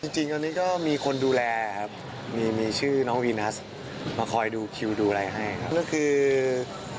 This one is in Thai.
จริงตอนนี้ก็มีคนดูแลครับมีมีชื่อน้องวีนัสมาคอยดูคิวดูอะไรให้ครับก็คือ